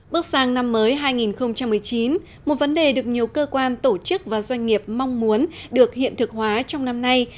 bước sang năm mới hai nghìn một mươi chín một vấn đề được nhiều cơ quan tổ chức và doanh nghiệp mong muốn được hiện thực hóa trong năm nay